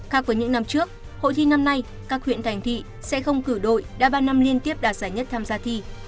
khác với những năm trước hội thi năm nay các huyện thành thị sẽ không cử đội đã ba năm liên tiếp đạt giải nhất tham gia thi